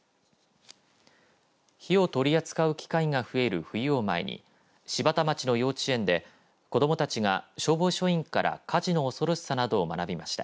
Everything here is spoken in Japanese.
火を取り扱う機会が増える冬を前に柴田町の幼稚園で子どもたちが消防署員から火事の恐ろしさなどを学びました。